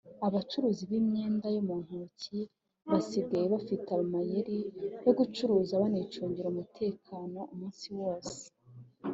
Abacuruzi b’imyenda yo mu ntoki basigaye bafite amayeri yo gucuruza banicungira umutekano umunsi wose